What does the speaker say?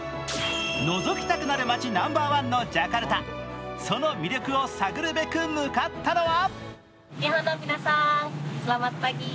のぞきたくなる街ナンバーワンのジャカルタ、その魅力を探るべく向かったのは「ＴＨＥＴＩＭＥ，」